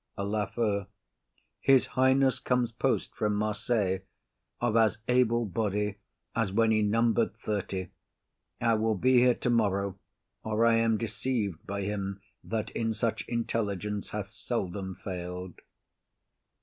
LAFEW. His highness comes post from Marseilles, of as able body as when he number'd thirty; he will be here tomorrow, or I am deceived by him that in such intelligence hath seldom fail'd.